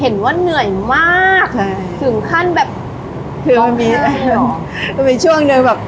เห็นว่าเหนื่อยมากใช่ถึงขั้นแบบคือไม่มีไม่มีช่วงนึงแบบ